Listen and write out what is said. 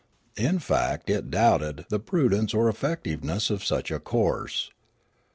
In fact it doubted the prudence or effectiveness of such a course.